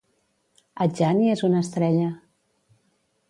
Adjani és una estrella.